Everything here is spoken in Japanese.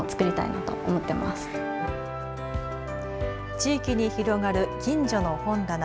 地域に広がるきんじょの本棚。